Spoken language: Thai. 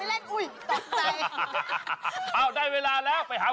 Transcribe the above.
มาเลยใกล้จะเป็นผู้ชมดีกล้อยผู้ชมดีจริงผมถึงหวัง